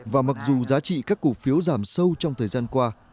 và mặc dù giá trị các cổ phiếu giảm sâu trong thời gian qua